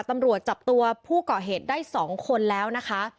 ตำรวจจับตัวผู้ก่อเหตุได้๒คนแล้วนะคะ